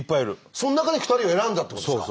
その中で２人を選んだってことですか？